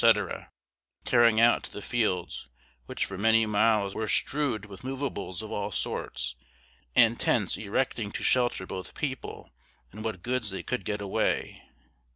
carrying out to the fields, which for many miles were strewed with moveables of all sorts, and tents erecting to shelter both people and what goods they could get away.